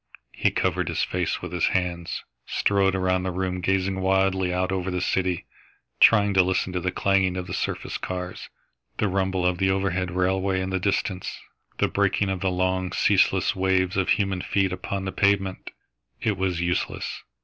He covered his face with his hands, strode around the room, gazing wildly out over the city, trying to listen to the clanging of the surface cars, the rumble of the overhead railway in the distance, the breaking of the long, ceaseless waves of human feet upon the pavement. It was useless.